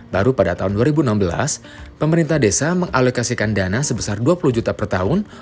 baru pada tahun dua ribu enam belas pemerintah desa mengalokasikan dana sebesar dua puluh juta per tahun